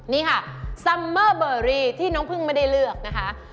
นี่ค่ะซัมเมอร์เบอรี่ที่น้องพึ่งไม่ได้เลือกนะคะ